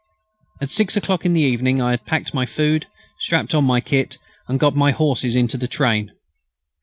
At six o'clock in the evening I had packed my food, strapped on my kit, and got my horses into the train.